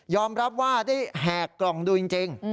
รับว่าได้แหกกล่องดูจริง